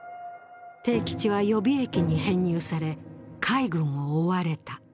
悌吉は予備役に編入され、海軍を追われた。